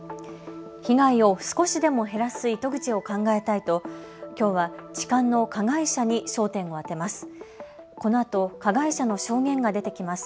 被害を少しでも減らす糸口を考えたいと、きょうは痴漢の加害者に焦点を当てます。